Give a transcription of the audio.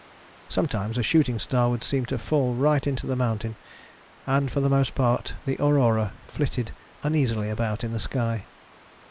Sometimes a shooting star would seem to fall right into the mountain, and for the most part the Aurora flitted uneasily about in the sky.